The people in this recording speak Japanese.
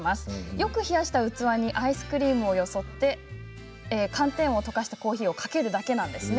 よく冷やした器にアイスクリームをよそって寒天を溶かしたコーヒーをかけるだけなんですね。